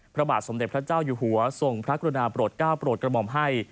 พระบาทสมเด็จพระเจ้าอยู่หัวทรงพระกรุณาโปรดก้าวโปรดกระหม่อมให้